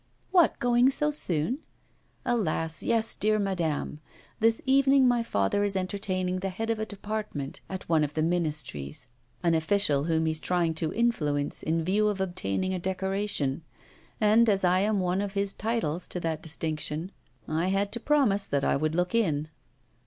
'What, going so soon?' 'Alas! yes, dear madame. This evening my father is entertaining the head of a department at one of the ministries, an official whom he's trying to influence in view of obtaining a decoration; and, as I am one of his titles to that distinction, I had to promise that I would look in.